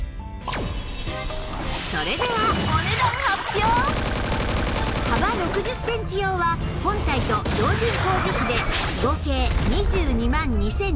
それでは幅６０センチ用は本体と標準工事費で合計２２万２２００円なんですが